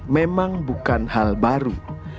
memang bukan hal baru